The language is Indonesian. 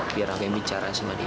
biar ada yang bicara sama dia